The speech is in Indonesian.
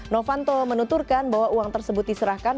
novanto menuturkan bahwa uang tersebut diserahkan